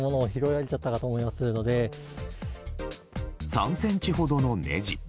３ｃｍほどのねじ。